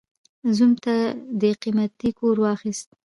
زوم ته دې قيمتي کور واخيست.